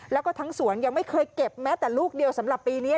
แล้วก็ทั้งสวนยังไม่เคยเก็บแม้แต่ลูกเดียวสำหรับปีนี้